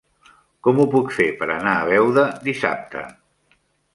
Com ho puc fer per anar a Beuda dissabte?